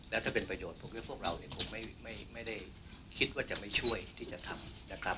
แล้วถ้าเป็นประโยชน์ผมให้พวกเราเนี่ยคงไม่ได้คิดว่าจะไม่ช่วยที่จะทำนะครับ